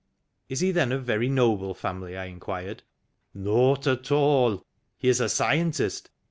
" Is he then of very noble family?" I inquired. "Not at all; he is a scientist.